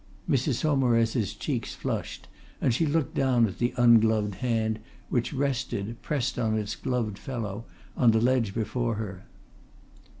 Mrs. Saumarez's cheeks flushed, and she looked down at the ungloved hand which rested, pressed on its gloved fellow, on the ledge before her.